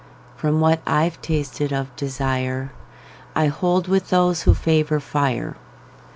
From what I've tasted of desireI hold with those who favor fire.